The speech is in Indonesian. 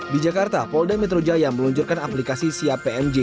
di jakarta polda metro jaya meluncurkan aplikasi siap pmj